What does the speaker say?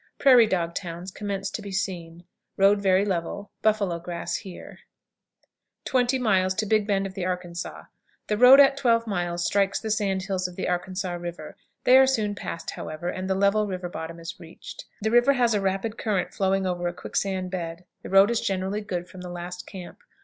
"Prairie dog towns" commence to be seen. Road very level. Buffalo grass here. 20. Big Bend of the Arkansas. The road at 12 miles strikes the sand hills of the Arkansas River. They are soon passed, however, and the level river bottom is reached. The river has a rapid current flowing over a quicksand bed. The road is generally good from the last camp.